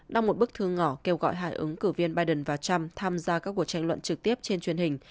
đăng một bức thư ngỏ kêu gọi hai ứng cử viên biden và trump tham gia các cuộc tranh luận trực tiếp trên truyền hình